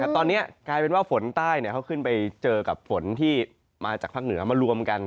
แต่ตอนนี้กลายเป็นว่าฝนใต้เขาขึ้นไปเจอกับฝนที่มาจากภาคเหนือมารวมกัน